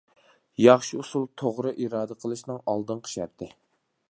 ياخشى ئۇسۇل توغرا ئىدارە قىلىشنىڭ ئالدىنقى شەرتى.